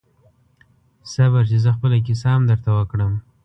صبر چې زه خپله کیسه هم درته وکړم